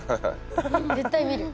絶対見る。